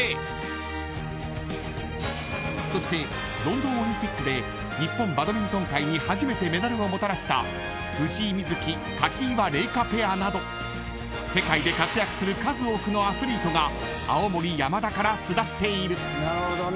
［そしてロンドンオリンピックで日本バドミントン界に初めてメダルをもたらした藤井瑞希垣岩令佳ペアなど世界で活躍する数多くのアスリートが青森山田から巣立っている］